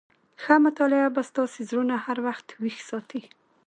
ښه مطالعه به ستاسي زړونه هر وخت ويښ ساتي.